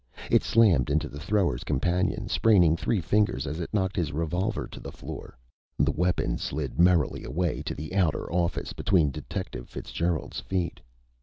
It slammed into the thrower's companion, spraining three fingers as it knocked his revolver to the floor. The weapon slid merrily away to the outer office between Detective Fitzgerald's feet.